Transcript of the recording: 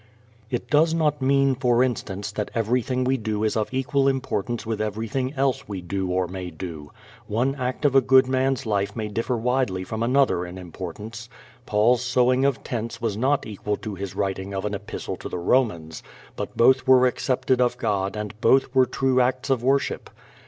It does not mean, for instance, that everything we do is of equal importance with everything else we do or may do. One act of a good man's life may differ widely from another in importance. Paul's sewing of tents was not equal to his writing of an Epistle to the Romans, but both were accepted of God and both were true acts of worship.